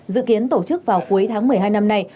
dự kiến tổ chức vào cuối tháng một mươi hai năm nay